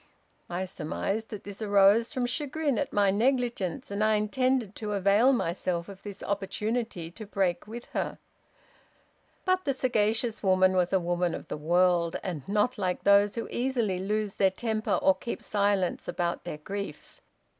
I surmised that this arose from chagrin at my negligence, and I intended to avail myself of this opportunity to break with her. But the sagacious woman was a woman of the world, and not like those who easily lose their temper or keep silence about their grief.